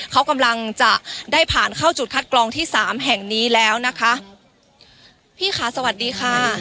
เขากำลังจะได้ผ่านเข้าจุดคัดกรองที่สามแห่งนี้แล้วนะคะพี่ค่ะสวัสดีค่ะ